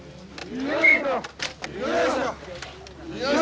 よいしょ！